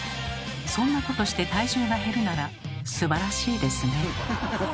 そんなことして体重が減るならすばらしいですね。